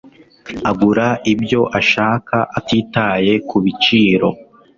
Agura ibyo ashaka atitaye kubiciro.